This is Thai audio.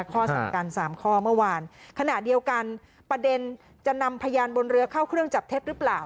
ข้อสั่งการสามข้อเมื่อวานขณะเดียวกันประเด็นจะนำพยานบนเรือเข้าเครื่องจับเท็จหรือเปล่า